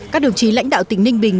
các đồng chí lãnh đạo tỉnh ninh bình